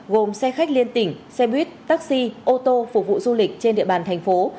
gồm xe khách liên tỉnh xe buýt taxi ô tô phục vụ du lịch trên địa bàn thành phố